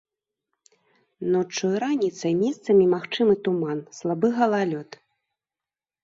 Ноччу і раніцай месцамі магчымы туман, слабы галалёд.